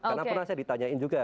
karena pernah saya ditanyain juga